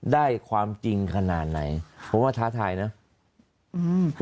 ได้ความจริงขนาดไหนผมว่าท้าทายเนอะอืม